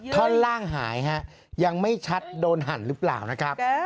ท่อนล่างหายฮะยังไม่ชัดโดนหั่นหรือเปล่านะครับ